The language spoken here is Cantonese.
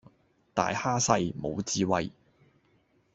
大蝦細，無智慧